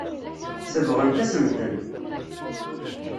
Sebɣent-asen-ten.